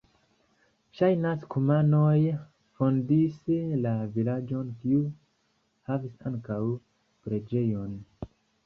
Ŝajnas, kumanoj fondis la vilaĝon, kiu havis ankaŭ preĝejon.